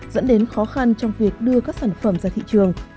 dẫn đến khó khăn trong việc đưa các sản phẩm ra thị trường